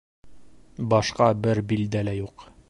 Башҡа бер билдә лә юҡ.